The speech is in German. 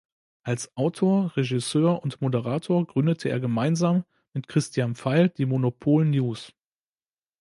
Als Autor, Regisseur und Moderator gründete er gemeinsam mit Christian Pfeil die Monopol News.